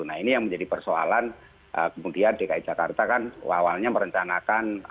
nah ini yang menjadi persoalan kemudian dki jakarta kan awalnya merencanakan